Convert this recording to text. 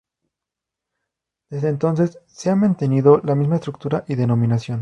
Desde entonces, se ha mantenido la misma estructura y denominación.